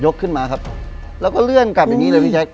ขึ้นมาครับแล้วก็เลื่อนกลับอย่างนี้เลยพี่แจ๊